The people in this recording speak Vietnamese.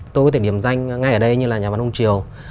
tôi có thể điểm danh ngay ở đây như là nhà văn ông triều